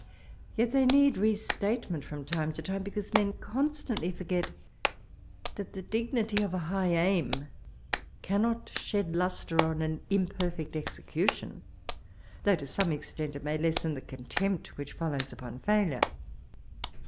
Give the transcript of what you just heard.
Yet they need re statement from time to time, be caose men constantly forget that the dignity of a high aim can not shed lustre on an imperfect execution, thoogb to eome extent it may lessen the contempt which follows npon fidlare.